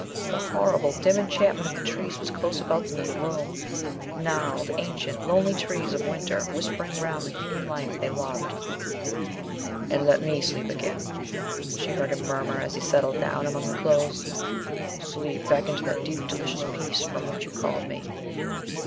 The horrible, dim enchantment of the trees was close about them in the room gnarled, ancient, lonely trees of winter, whispering round the human life they loved. "And let me sleep again," she heard him murmur as he settled down among the clothes, "sleep back into that deep, delicious peace from which you called me."